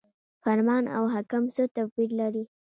فرمان او حکم څه توپیر لري؟